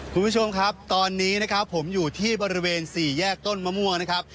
คุณผู้ชมครับตอนนี้นะครับผมอยู่ที่บริเวณสี่แยกต้นมะม่วงนะครับ